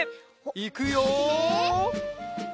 いくよ！